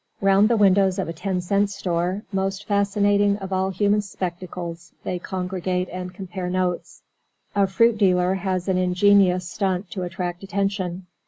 Round the windows of a ten cent store, most fascinating of all human spectacles, they congregate and compare notes. A fruit dealer has an ingenious stunt to attract attention.